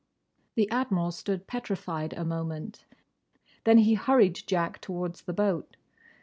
The Admiral stood petrified a moment. Then he hurried Jack towards the boat.